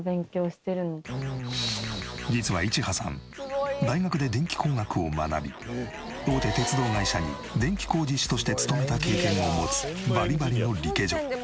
実はいちはさん大学で電気工学を学び大手鉄道会社に電気工事士として勤めた経験を持つバリバリのリケジョ。